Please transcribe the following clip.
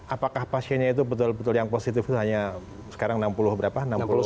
apakah pasiennya itu betul betul yang positif itu hanya sekarang enam puluh berapa